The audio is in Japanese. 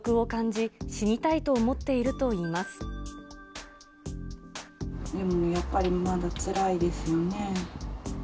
やっぱり、まだつらいですよね。